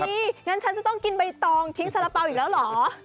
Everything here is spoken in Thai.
เฮ่ยอย่างนั้นฉันจะต้องกินใบตองทิ้งสละเปาอีกแล้วเหรอ